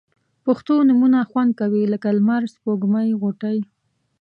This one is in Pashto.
پښتو نومونه خوند کوي لکه لمر، سپوږمۍ، غوټۍ